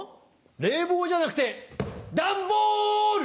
冷房じゃなくてダンボール！